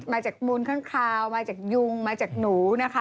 มาจากมูลข้างคาวมาจากยุงมาจากหนูนะคะ